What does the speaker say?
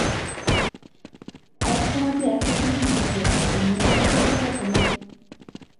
এক সমাজে এক রকমের ত্রুটি আছে, অন্য সমাজে অন্য রকমের।